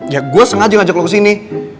ya gue sengaja ngajak lo kesini